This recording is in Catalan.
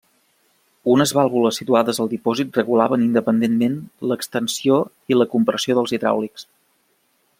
Unes vàlvules situades al dipòsit regulaven independentment l'extensió i la compressió dels hidràulics.